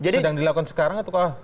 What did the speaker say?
sedang dilakukan sekarang atau kalau